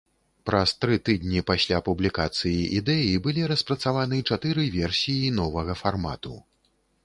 Праз тры тыдні пасля публікацыі ідэі былі распрацаваны чатыры версіі новага фармату.